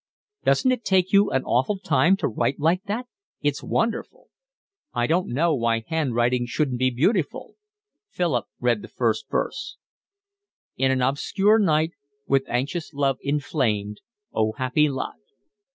"Doesn't it take you an awful time to write like that? It's wonderful." "I don't know why handwriting shouldn't be beautiful." Philip read the first verse: In an obscure night With anxious love inflamed O happy lot!